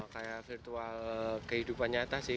kayak virtual kehidupan nyata sih